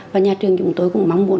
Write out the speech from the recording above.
và nhà trường chúng tôi cũng mong muốn